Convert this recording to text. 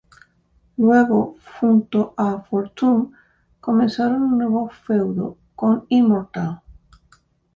Luego junto a Fortune comenzaron un nuevo feudo con Immortal.